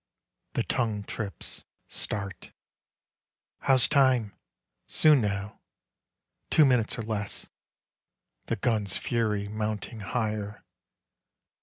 The tongue trips. Start: How's time? Soon now. Two minutes or less. The gun's fury mounting higher....